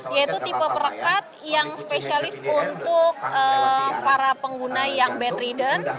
yaitu tipe perekat yang spesialis untuk para pengguna yang bed ridden